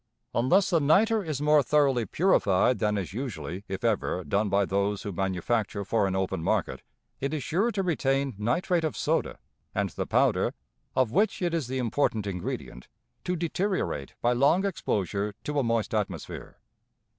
Unless the niter is more thoroughly purified than is usually, if ever, done by those who manufacture for an open market, it is sure to retain nitrate of soda, and the powder, of which it is the important ingredient, to deteriorate by long exposure to a moist atmosphere.